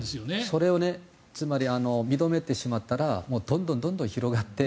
それを認めてしまったらどんどん広がって。